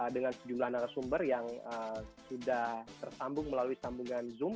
dengan sejumlah narasumber yang sudah tersambung melalui sambungan zoom